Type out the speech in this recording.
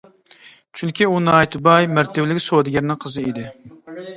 چۈنكى ئۇ ناھايىتى باي، مەرتىۋىلىك سودىگەرنىڭ قىزى ئىدى.